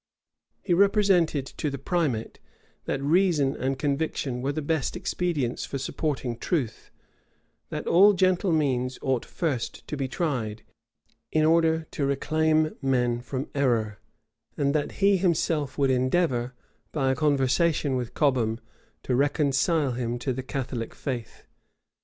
He represented to the primate, that reason and conviction were the best expedients for supporting truth; that all gentle means ought first to be tried, in order to reclaim men from error; and that he himself would endeavor, by a conversation with Cobham, to reconcile him to the Catholic faith.